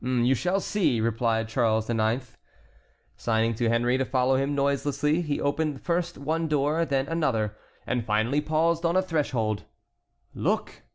"You shall see," replied Charles IX. Signing to Henry to follow him noiselessly, he opened first one door, then another, and finally paused on a threshold. "Look!"